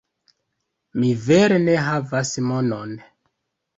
Mi vere ne havas monon